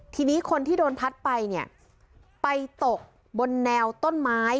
ทีนี้คนที่โดนพัดไปเนี่ยไปตกบนแนวต้นไม้